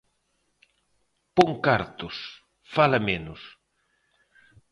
Pon cartos, fala menos.